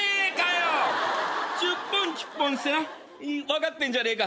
分かってんじゃねえか。